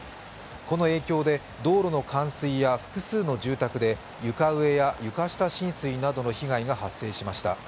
この影響で道路の冠水や複数の住宅で床上や床下浸水などの被害が発生しました。